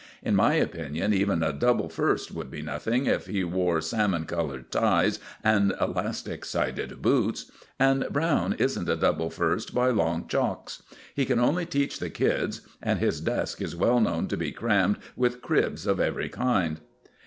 In my opinion even a Double First would be nothing if he wore salmon colored ties and elastic sided boots; and Browne isn't a Double First by long chalks. He can only teach the kids, and his desk is well known to be crammed with cribs of every kind."